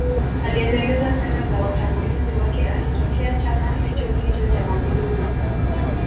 Aliendeleza sera za watangulizi wake akitokea chama hichohicho cha mapinduzi